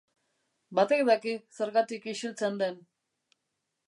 Batek daki zergatik ixiltzen den!